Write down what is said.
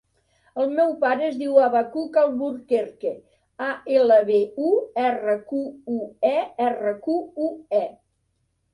El meu pare es diu Habacuc Alburquerque: a, ela, be, u, erra, cu, u, e, erra, cu, u, e.